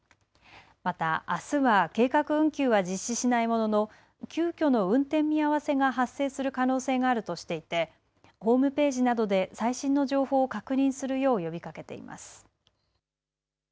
またあすは計画運休は実施しないものの急きょの運転見合わせが発生する可能性があるとしていてホームページなどで最新の情報を確認するよう呼びかけています。